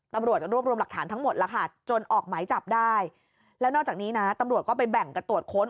ตำรวจรวบรวมหลักฐานทั้งหมดแล้วค่ะจนออกหมายจับได้แล้วนอกจากนี้นะตำรวจก็ไปแบ่งกันตรวจค้น